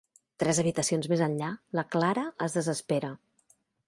Tres habitacions més enllà la Clara es desespera.